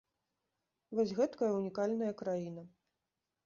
Вось гэткая ўнікальная краіна.